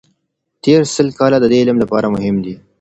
تېر سل کاله د دې علم لپاره مهم دي.